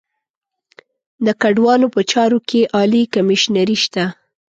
د کډوالو په چارو کې عالي کمیشنري شته.